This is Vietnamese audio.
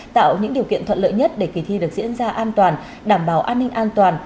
tạo những điều kiện thuận lợi nhất để kỳ thi được diễn ra an toàn đảm bảo an ninh an toàn